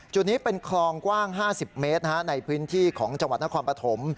จุดนี้เป็นคลองกว้าง๕๐เมตรในพื้นที่ของจังหวัดนครปฐม